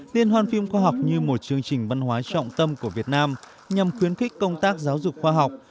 liên hoan phim khoa học như một chương trình văn hóa trọng tâm của việt nam nhằm khuyến khích công tác giáo dục khoa học